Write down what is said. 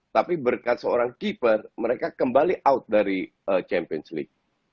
tapi berkat seorang keeper mereka kembali out dari champions league